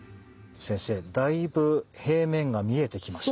先生だいぶ平面が見えてきました。